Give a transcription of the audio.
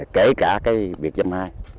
kể cả cái việt châm hai